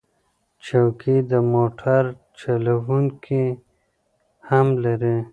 چوکۍ د موټر چلونکي هم لري.